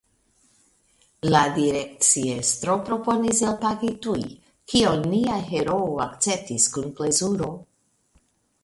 La direkciestro proponis elpagi tuj, kion nia heroo akceptis kun plezuro.